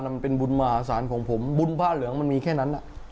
มันเป็นบุญมหาศาลของผมบุญผ้าเหลืองมันมีแค่นั้น